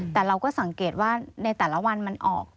แต่เราก็สังเกตว่าในแต่ละวันมันออก